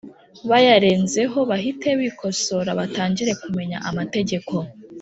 bayarenzeho bahite bikosora batangira Kumenya amategeko